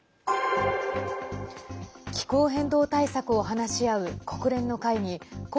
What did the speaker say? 気候変動対策を話し合う国連の会議